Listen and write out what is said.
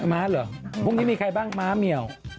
ม้าเหรอพรุ่งนี้มีใครบ้างม้าเหมียว